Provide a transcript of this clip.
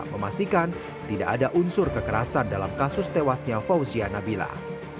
memastikan tidak ada unsur kekerasan dalam kasus tewasnya fauzia nabilah